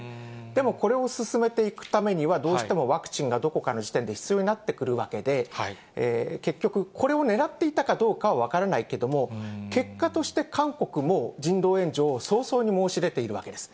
でもこれを進めていくためには、どうしてもワクチンがどこかの時点で必要になってくるわけで、結局、これをねらっていたかどうかは分からないけども、結果として韓国も人道援助を早々に申し出ているわけです。